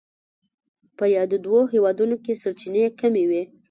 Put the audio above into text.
په یادو دوو هېوادونو کې سرچینې کمې وې.